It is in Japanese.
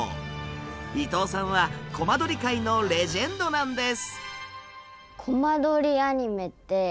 伊藤さんはコマ撮り界のレジェンドなんです。